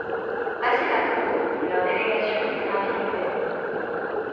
Passé la cour, leur délégation put gravir le perron.